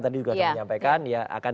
kpk tadi juga menyampaikan ya akan